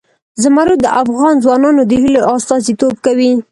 زمرد د افغان ځوانانو د هیلو استازیتوب کوي.